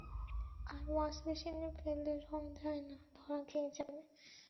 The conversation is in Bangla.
আর ওয়াশ বেসিনে ফেললে রঙ যায় না, ধরা খেয়ে যাবে।